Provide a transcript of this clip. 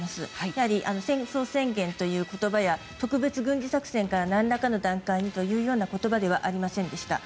やはり戦争宣言という言葉や特別軍事作戦から何らかの段階にというような言葉ではありませんでした。